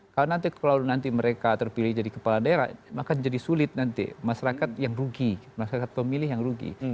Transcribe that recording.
kalau nanti kalau nanti mereka terpilih jadi kepala daerah maka jadi sulit nanti masyarakat yang rugi masyarakat pemilih yang rugi